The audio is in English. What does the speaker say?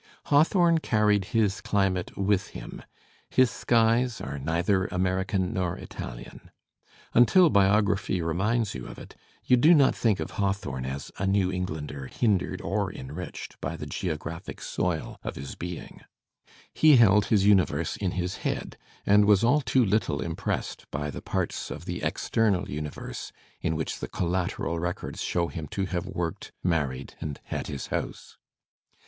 Hawthorne carried his climate with him, his skies are neither American nor Italian. Until biography reminds you of it, you do not think of Hawthorne as a New Englander hindered or enriched by the geographic soil of his being. He held his universe in his head and was all too Uttle impressed Digitized by Google Sa THE SPIRIT OF AMERICAN LITERATURE by the parts of the external universe in which the collateral records show him to have worked, married and had his house.